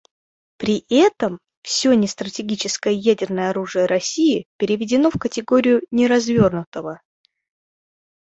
При этом все нестратегическое ядерное оружие России переведено в категорию неразвернутого.